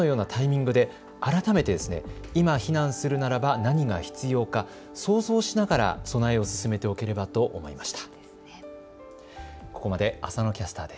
ですからきょうのようなタイミングで改めて今避難するならば何が必要か想像しながら備えを進めておければと思いました。